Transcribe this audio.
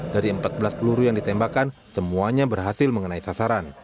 dari empat belas peluru yang ditembakkan semuanya berhasil mengenai sasaran